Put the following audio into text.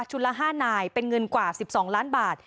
ละ๕นายเป็นเงินกว่า๑๒ล้านบาท